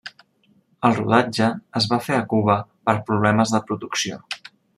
El rodatge es va fer a Cuba per problemes de producció.